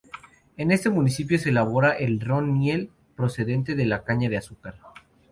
En este municipio se elabora el ron miel, procedente de la caña de azúcar.